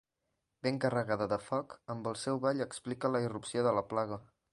Ben carregada de foc, amb el seu ball explica la irrupció de la plaga.